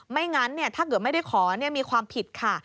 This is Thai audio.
ไม่งั้นถ้าเกิดไม่ได้ขอมีความผิดค่ะ